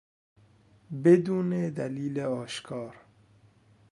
بدون دلیل آشکار